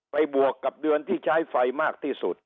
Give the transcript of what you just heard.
บวกกับเดือนที่ใช้ไฟมากที่สุด